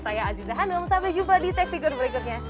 saya aziza hanum sampai jumpa di tech figure berikutnya